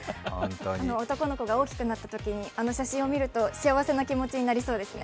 男の子が大きくなったときにあの写真を見ると幸せな気持ちになりそうですね。